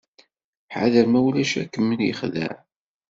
Ḥader ma ulac ad kem-yexdeɛ.